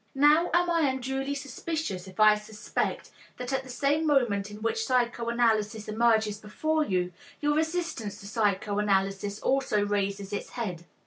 Now, am I unduly suspicious if I suspect that at the same moment in which psychoanalysis emerges before you, your resistance to psychoanalysis also raises its head?